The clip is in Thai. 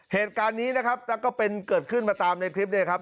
เหตุการณ์นี้นะครับก็เป็นเกิดขึ้นมาตามในคลิปเนี่ยครับ